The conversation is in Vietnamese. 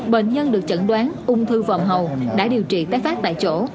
bệnh nhân được chẩn đoán ung thư vòng hầu đã điều trị tác phát tại chỗ